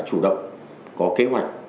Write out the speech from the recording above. chủ động có kế hoạch